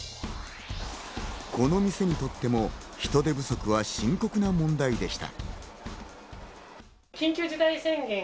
この店にとっても人手不足は深刻な問題でした。